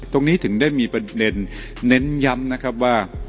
ตรงนี้ถึงได้มีประเด็นเน้นย้ำนะครับว่า